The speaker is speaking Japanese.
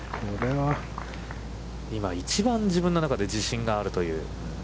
今、一番自分の中で自信があるという。